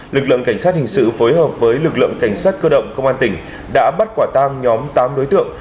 lực lượng cảnh sát hình sự phối hợp với lực lượng cảnh sát cơ động công an tỉnh đã bắt quả tang nhóm tám đối tượng